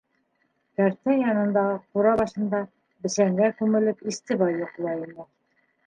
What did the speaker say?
Кәртә янындағы ҡура башында, бесәнгә күмелеп, Истебай йоҡлай ине.